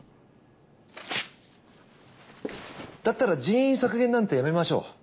だったら人員削減なんてやめましょう。